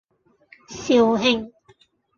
肇慶